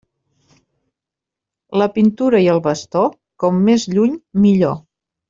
La pintura i el bastó, com més lluny millor.